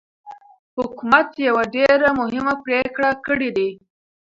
حکومت يوه ډېره مهمه پرېکړه کړې ده.